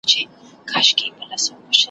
په زحمت به یې ایستله نفسونه`